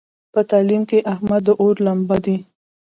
په تعلیم کې احمد د اور لمبه دی.